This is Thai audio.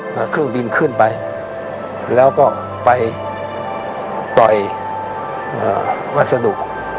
เมื่อครึ่งบินขึ้นไปแล้วก็ไปต่อยอ่าวัสดุ